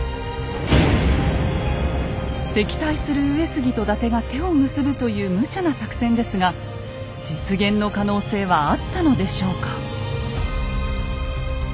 敵対する上杉と伊達が手を結ぶというむちゃな作戦ですが実現の可能性はあったのでしょうか？